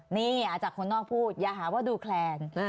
นี่จากคนนอกพูดอย่าหาว่าดูแคลน